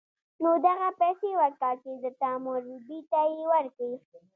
نو دغه پيسې ورکه چې د تا مور بي بي ته يې ورکي.